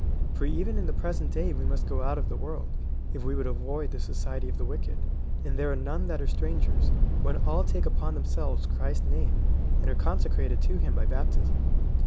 For even in the pre sent day we must go out of the world, if we would avoid the society of the wicked ; and there are none that are strangers, when all take upon themselves Christ's name, and are conse crated to him by baptism."